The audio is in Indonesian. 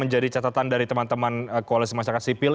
menjadi catatan dari teman teman koalisi masyarakat sipil